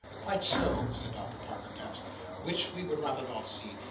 "Quite so," said Doctor Parker Peps, "which we would rather not see.